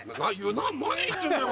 何言ってんだよ！